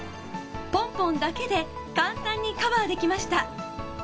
ポンポンだけで簡単にカバーできました。